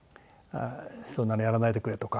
「そんなのやらないでくれ」とか。